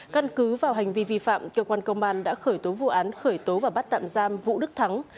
căn cứ vào hành vi vi phạm cơ quan công an đã khởi tố vụ án khởi tố và bắt tạm giam vũ đức thắng